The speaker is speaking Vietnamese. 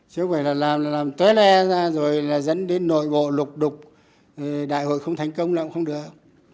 chứ không phải là làm tế le ra rồi là dẫn đến nội bộ lục đục đại hội không thành công là cũng không được